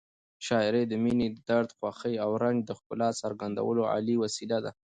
شاعري د مینې، درد، خوښۍ او رنج د ښکلا څرګندولو عالي وسیله ده.